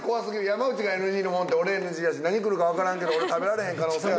山内がＮＧのもんって俺ＮＧやし何来るか分からんけど俺食べられへん可能性。